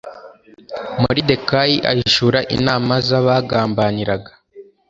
Moridekayi ahishura inama z abagambaniraga